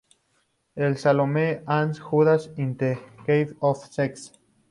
En "Salome and Judas in the cave of sex.